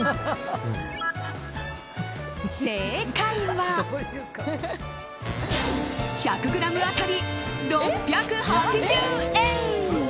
正解は１００ｇ当たり６８０円。